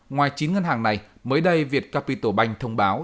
ngoài chín ngân hàng này mới đây việtcapitalbank thông báo